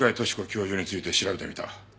教授について調べてみた。